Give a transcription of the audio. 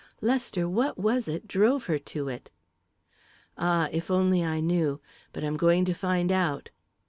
Lester what was it drove her to it?" "Ah, if I only knew! But I'm going to find out!"